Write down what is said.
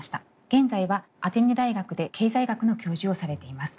現在はアテネ大学で経済学の教授をされています。